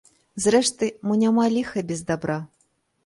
Зрэшты, мо няма ліха без дабра?